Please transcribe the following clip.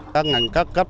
các ngành các cấp